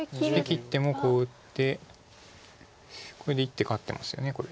切ってもこう打ってこれで１手勝ってますよねこれ。